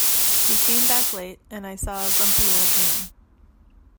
He came back late, and I saw a grumpy old man.